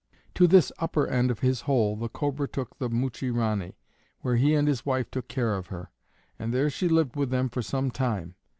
To this upper end of his hole the Cobra took the Muchie Ranee, where he and his wife took care of her; and there she lived with them for some time.